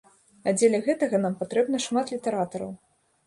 А дзеля гэтага нам патрэбна шмат літаратараў.